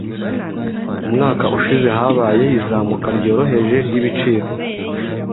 Umwaka ushize habaye izamuka ryoroheje ryibiciro.